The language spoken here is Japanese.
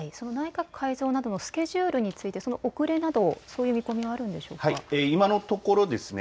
内閣改造などのスケジュールについて遅れなどそういう見込みはあるんでしょうか。